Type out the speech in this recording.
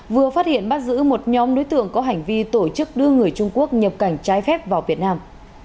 vừa phát hiện bắt giữ một nhóm đối tượng có hành vi tổ chức đưa người trung quốc nhập cảnh trái phép vào việt nam